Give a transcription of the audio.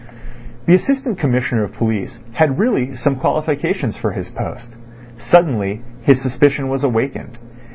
The Assistant Commissioner of Police had really some qualifications for his post. Suddenly his suspicion was awakened.